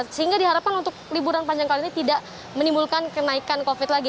sehingga diharapkan untuk liburan panjang kali ini tidak menimbulkan kenaikan covid lagi